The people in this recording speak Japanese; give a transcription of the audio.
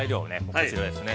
こちらですね。